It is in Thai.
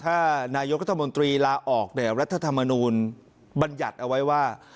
ถ้านายกรัฐมนตรีลาออกเนี่ยรัฐธรรมนูลบัญญัติเอาไว้ว่า